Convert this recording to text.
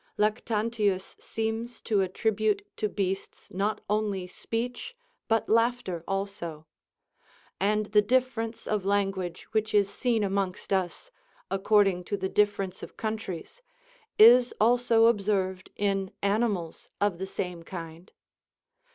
Lactantius seems to attribute to beasts not only speech, but laughter also. And the difference of language which is seen amongst us, according to the difference of countries, is also observed in animals of the same kind.